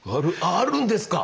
あるんですか！